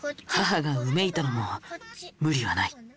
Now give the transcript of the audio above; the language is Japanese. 母がうめいたのも無理はない。